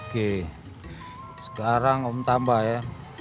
oke sekarang om tambah ya